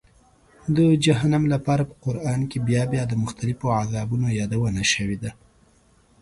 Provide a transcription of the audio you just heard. د جهنم لپاره په قرآن کې بیا بیا د مختلفو عذابونو یادونه شوې ده.